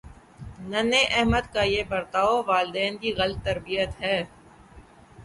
ننھے احمد کا یہ برتا والدین کی غلط تربیت ہے